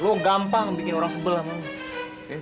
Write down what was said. lo gampang bikin orang sebelah mama